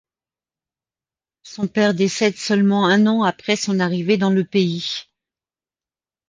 Son père décède seulement un an après son arrivée dans le pays.